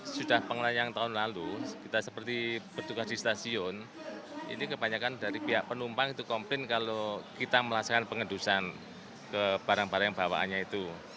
sudah pengalaman yang tahun lalu kita seperti bertugas di stasiun ini kebanyakan dari pihak penumpang itu komplain kalau kita melaksanakan pengedusan ke barang barang bawaannya itu